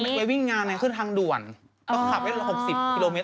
เผื่อเป็นงานเขาขึ้นทางด่วนก็ตรีกับเกิน๖๐กิโลเมตร